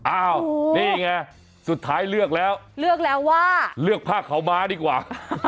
อ้าวนี่ไงสุดท้ายเลือกแล้วเลือกแล้วว่าเลือกผ้าขาวม้าดีกว่า